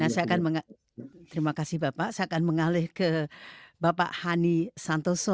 saya akan mengatakan terima kasih bapak saya akan mengalih ke bapak hani santoso